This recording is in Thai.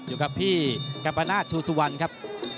อยู่กับพี่กัปปานาทชูซวันครับ